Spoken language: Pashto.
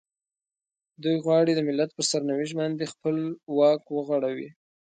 دوی غواړي د ملت پر سرنوشت باندې خپل واک وغوړوي.